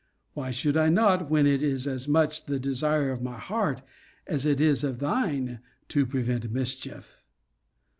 Why should I not, when it is as much the desire of my heart, as it is of thine, to prevent mischief?